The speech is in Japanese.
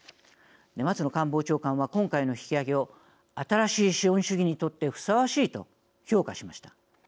松野官房長官は今回の引き上げを新しい資本主義にとってふさわしい、と評価しました。